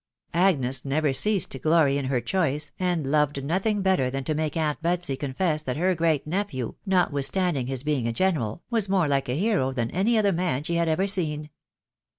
Agnes never ceased to glory in her choice, and loved nothing better than to make aunt Betsy confess that her great nephew, notwithstanding his being a general, was more like a hero than any other man she had ever seen.